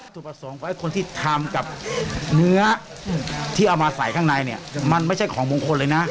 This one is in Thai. จุดประสงค์ของคนที่ทำกับเนื้อที่เอามาใส่ข้างในเนี่ยมันไม่ใช่ของมงคลเลยนะ